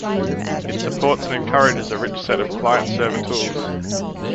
It supports and encourages a rich set of client-server tools.